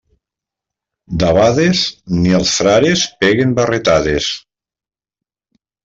Debades, ni els frares peguen barretades.